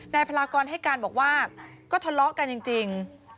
พลากรให้การบอกว่าก็ทะเลาะกันจริง